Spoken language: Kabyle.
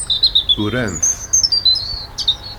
Uran-t.